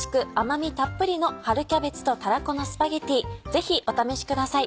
ぜひお試しください。